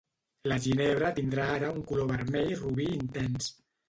La ginebra tindrà ara un color vermell robí intens.